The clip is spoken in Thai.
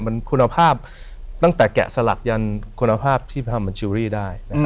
มันคุณภาพตั้งแต่แกะสลักยันคุณภาพที่พระมันชิวรี่ได้นะครับ